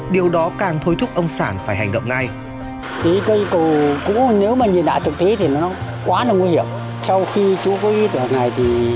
điều đó càng thối thúc ông sản phải hành động ngay